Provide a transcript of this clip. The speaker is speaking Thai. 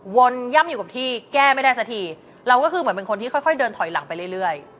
วนย่ำอยู่กับที่แก้ไม่ได้สักทีเราก็คือเหมือนเป็นคนที่ค่อยเดินถอยหลังไปเรื่อย